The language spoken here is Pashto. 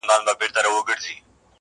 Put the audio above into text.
نه خاطر گوري د وروڼو نه خپلوانو٫